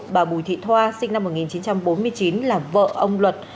bà bùi thị thoa sinh năm một nghìn chín trăm bốn mươi chín là vợ ông luật